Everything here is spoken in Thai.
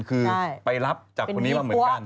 คือไปรับจากคนนี้มาเหมือนกัน